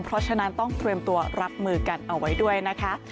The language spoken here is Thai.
เพราะฉะนั้นต้องเตรียมตัวรับมือกันเอาไว้ด้วยนะคะ